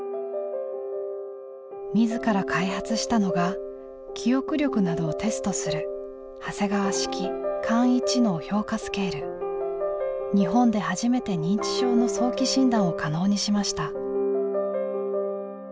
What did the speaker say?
自ら開発したのが記憶力などをテストする日本で初めて認知症の早期診断を可能にしました。